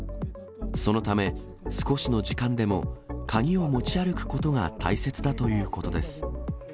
そのため、少しの時間でも鍵を持ち歩くことが大切だということです。